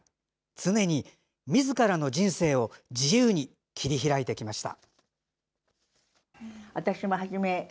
常にみずからの人生を自由に切り開いてきました。